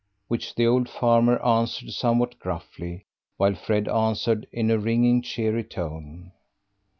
which the old farmer answered somewhat gruffly, while Fred answered in a ringing, cheery tone.